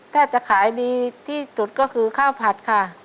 ถ้าจะขายดีที่สุดก็คือข้าวผัดค่ะ